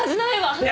いや！